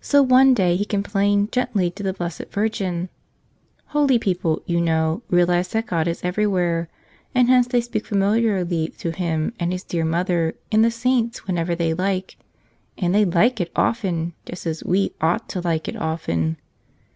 So one day he complained gently to the Blessed Virgin. Holy people, you know, realize that God is everywhere; and hence they speak familiarly to Him and His dear Mother and the saints whenever they like — and they like it often, just as we ought to like it often.